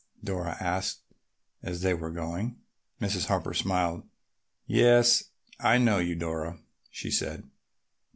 Dora asked as they were going. Mrs. Harper smiled. "Yes, I know you, Dora," she said.